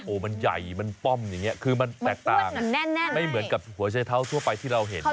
มันใหญ่มันป้อมอย่างนี้คือมันแตกต่างไม่เหมือนกับหัวใช้เท้าทั่วไปที่เราเห็น